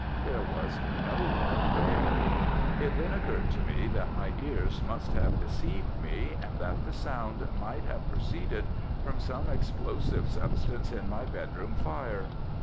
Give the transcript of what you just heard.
There was no one there. It then occurred to me that my ears must have deceived me, and that the sound might have proceeded from some explosive substance in my bedroom fire.